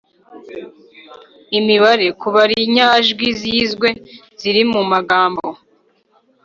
- imibare: kubara inyajwi zizwe ziri mu magambo